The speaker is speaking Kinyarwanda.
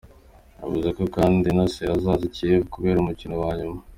Yavuze ko kandi na Se azaza i Kiev kureba umukino wa nyuma.